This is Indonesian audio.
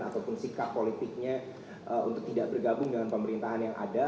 ataupun sikap politiknya untuk tidak bergabung dengan pemerintahan yang ada